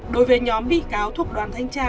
đối với nhóm bị cáo thuộc đoàn thanh tra